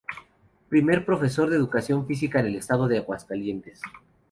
Primer Profesor de educación Física en el estado de Aguascalientes.